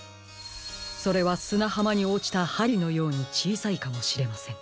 それはすなはまにおちたはりのようにちいさいかもしれません。